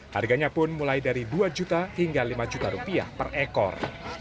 harganya pun mulai dari dua juta hingga lima juta rupiah per ekor